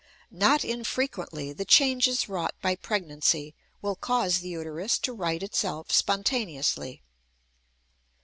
Not infrequently the changes wrought by pregnancy will cause the uterus to right itself spontaneously.